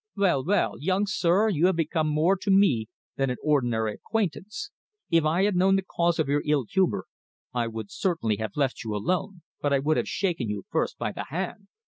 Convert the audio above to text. Well, well! Young sir, you have become more to me than an ordinary acquaintance. If I had known the cause of your ill humour, I would certainly have left you alone, but I would have shaken you first by the hand."